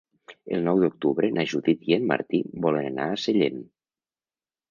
El nou d'octubre na Judit i en Martí volen anar a Sellent.